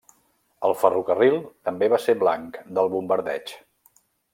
El ferrocarril també va ser blanc del bombardeig.